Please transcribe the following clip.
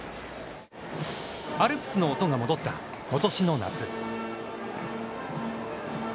アルプスの音が戻ったことしの夏。